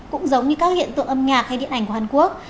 cũng giống như các hiện tượng âm nhạc hay điện ảnh của hàn quốc